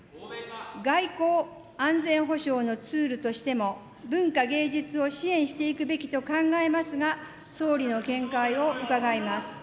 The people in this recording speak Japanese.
外交・安全保障のツールとしても、文化芸術を支援していくべきと考えますが、総理の見解を伺います。